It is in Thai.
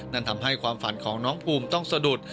นั่นทำให้ความฝันของน้องภูมิต้องสะดุด